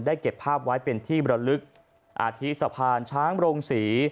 เก็บภาพไว้เป็นที่มรลึกอาทิตสะพานช้างโรงศรี